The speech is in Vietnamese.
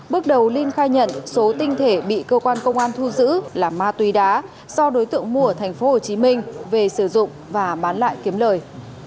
bước đầu linh khai nhận số tinh thể bị cơ quan công an thu giữ là ma túy đá do đối tượng mua ở tp hcm về sử dụng và bán lại kiếm lời